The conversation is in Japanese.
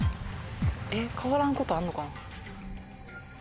え変わらんことあんのかな。